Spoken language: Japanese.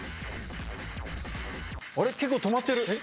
結構止まってる。